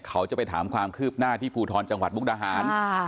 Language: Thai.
ยังมีความคืบหน้าที่ผูทรจังหวัดมุกรหาน